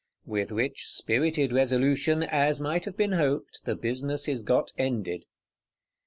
With which spirited resolution, as might have been hoped, the business is got ended.